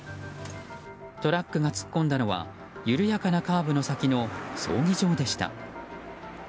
トラックが突っ込んだのは緩やかなカーブの先の葬儀場でした。